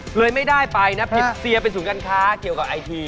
เลยไม่ได้ไปนะผิดเซียเป็นศูนย์การค้าเกี่ยวกับไอที